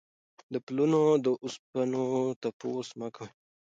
د پلونو د اوسپنو تپوس مه کوئ.